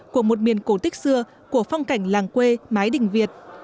của một miền cổ tích xưa của phong cảnh làng quê mái đình việt